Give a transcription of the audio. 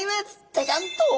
ジャジャンっと。